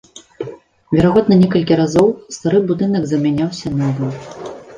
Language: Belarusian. Верагодна некалькі разоў стары будынак замяняўся новым.